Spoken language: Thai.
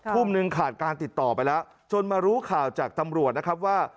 ทุ่มนึงขาดการติดต่อไปแล้วจนมารู้ข่าวจากตำรวจนะครับว่า